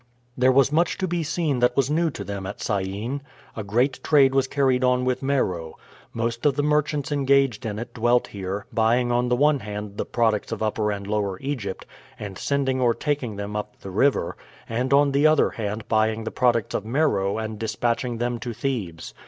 There was much to be seen that was new to them at Syene. A great trade was carried on with Meroe. Most of the merchants engaged in it dwelt here, buying on the one hand the products of Upper and Lower Egypt and sending or taking them up the river, and on the other hand buying the products of Meroe and dispatching them to Thebes.